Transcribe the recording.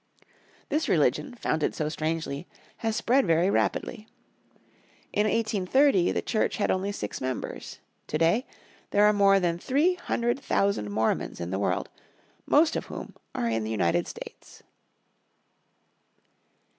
This religion, founded so strangely, has spread very rapidly. In 1830 the church had only six members. Today there are more than three hundred thousand Mormons in the world, most of whom are in the United States.